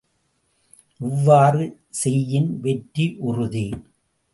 இவ்வாறு செய்யின் வெற்றி உறுதி.